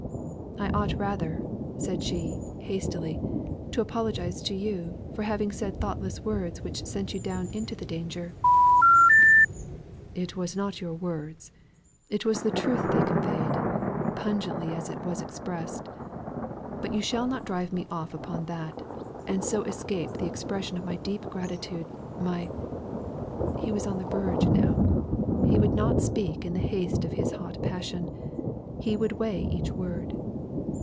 I ought rather," said she, hastily, "to apologise to you, for having said thoughtless words which sent you down into the danger." "It was not your words; it was the truth they conveyed, pungently as it was expressed. But you shall not drive me off upon that, and so escape the expression of my deep gratitude, my " he was on the verge now; he would not speak in the haste of his hot passion; he would weigh each word.